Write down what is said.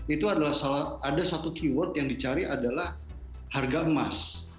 itu adalah salah satu keyword yang dicari adalah harga emas